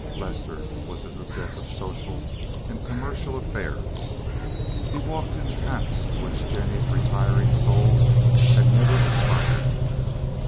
Lester was in the thick of social and commercial affairs; he walked in paths to which Jennie's retiring soul had never aspired.